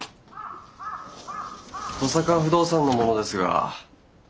登坂不動産の者ですが。